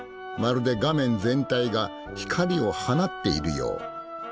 まるで画面全体が光を放っているよう。